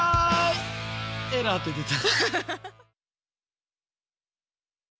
エラーって出た。